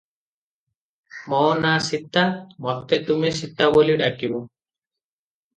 ମୋ ନା' ସୀତା, ମତେ ତୁମେ ସୀତା ବୋଲି ଡାକିବ ।